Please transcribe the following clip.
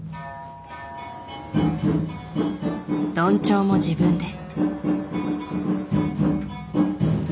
どんちょうも自分で。